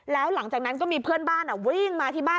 แล้วหลังจากนั้นก็มีเพื่อนบ้านวิ่งมาที่บ้าน